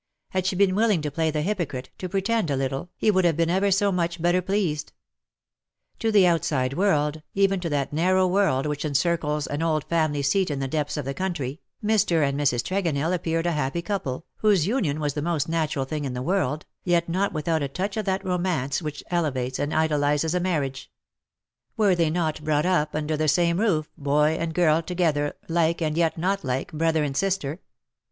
Had she been willing to play the hypocrite, to pretend a little, he would have been ever so much better pleased. To the outside world, even to that narrow world which encircles an old family seat in the depths of the country, Mr. and Mrs. Tregonell appeared a happy couple, whose union was the most natural thing in the world, yet not without a touch of that romance which elevates and idealizes a marriage. 172 ^^AND PALE FROM THE PAST Were they not brought up under the same roof, boy and girl together, like, and yet not like, brother and sister.